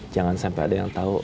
jangan sampe ada yang tau